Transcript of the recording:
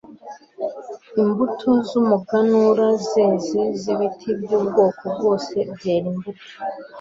imbuto z umuganura zeze z ibiti by ubwoko bwose byera imbuto